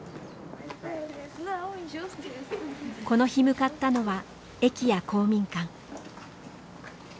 この日向かったのは駅や公民館。